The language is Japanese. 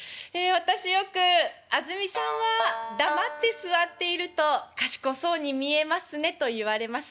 私よく「あずみさんは黙って座っていると賢そうに見えますね」と言われます。